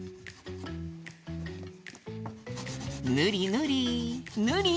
ぬりぬり！